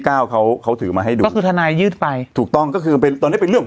เก้าเขาเขาถือมาให้ดูก็คือทนายยืดไปถูกต้องก็คือเป็นตอนเนี้ยเป็นเรื่อง